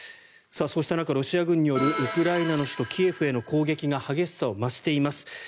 そうした中、ロシア軍によるウクライナの首都キエフに対する攻撃が激しさを増しています。